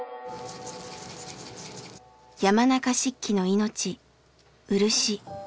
山中漆器の命「漆」。